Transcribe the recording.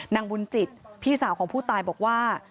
นางบุญจิตพี่สาวของผู้ตายบอกว่า